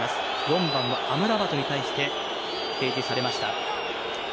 ４番のアムラバトに対して提示されました。